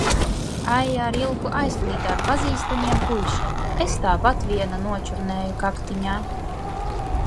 Aija ar Ilgu aizklīda ar pazīstamiem puišiem, es tāpat viena nočurnēju kaktiņā.